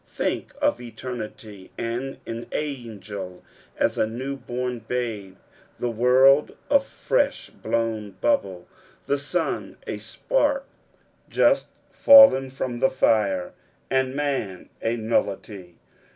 Think of eternity, and an angel is as a new born babe, the world a fresh blown bubble, the sun a spark just fallen from the fire, and man a nullity.